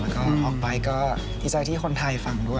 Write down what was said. แล้วก็ออกไปก็ดีใจที่คนไทยฟังด้วย